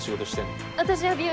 私は美容師。